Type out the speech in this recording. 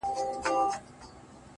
هـغــه اوس سيــمــي د تـــــه ځـــــي!!